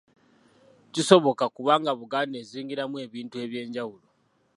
Kisoboka kubanga Buganda ezingiramu ebintu eby'enjawulo.